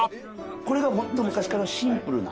これが昔からシンプルな。